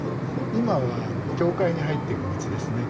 今は教会に入っていく道ですね。